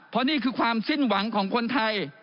เพราะนี่คือความสิ้นหวังของคนไทย